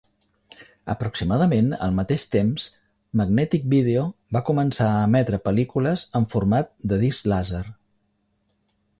Aproximadament al mateix temps, Magnetic Video va començar a emetre pel·lícules en format de disc làser.